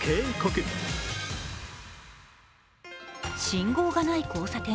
信号がない交差点。